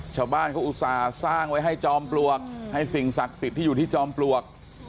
ชาวบ้านเขาอุตส่าห์สร้างไว้ให้จอมปลวกให้สิ่งศักดิ์สิทธิ์ที่อยู่ที่จอมปลวก